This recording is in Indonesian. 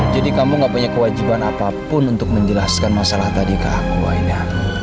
jadi kamu gak punya kewajiban apapun untuk menjelaskan masalah tadi ke aku aida